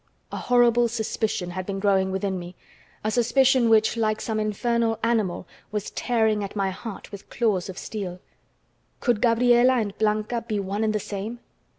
A horrible suspicion had been growing within me, a suspicion which, like some infernal animal, was tearing at my heart with claws of steel. Could Gabriela and Blanca be one and the same?